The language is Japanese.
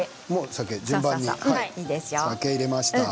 順番に酒を入れました。